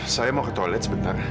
saya mau ke toilet sebentar